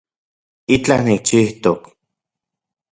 Itlaj nikchijtok